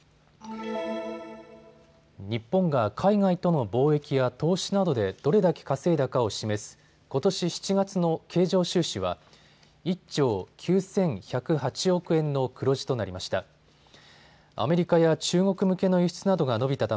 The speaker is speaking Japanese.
日本が海外との貿易や投資などでどれだけ稼いだかを示すことし７月の経常収支は１兆９１０８億円の黒字となりました。